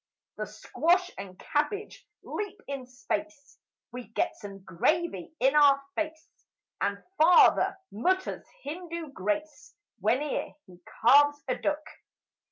The squash and cabbage leap in space We get some gravy in our face And Father mutters Hindu grace Whene'er he carves a duck.